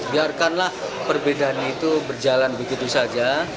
biarkanlah perbedaan itu berjalan begitu saja